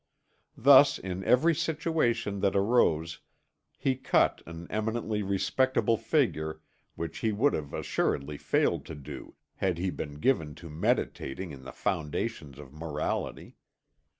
Thus in every situation that arose he cut an eminently respectable figure which he would have assuredly failed to do, had he been given to meditating on the foundations of morality.